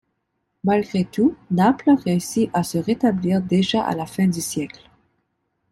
Malgré tout, Naples réussit à se rétablir déjà à la fin du siècle.